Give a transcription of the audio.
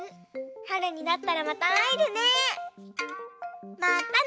はるになったらまたあえるね。